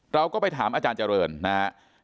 เราก็ไปถามอาจารย์เจริญนะครับ